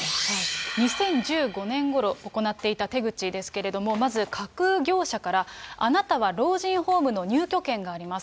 ２０１５年ごろ行っていた手口ですけれども、まず架空業者からあなたは老人ホームの入居権があります。